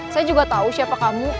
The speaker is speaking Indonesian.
saya juga tahu siapa kamu